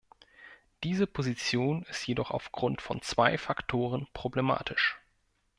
Diese Position ist jedoch aufgrund von zwei Faktoren problematisch.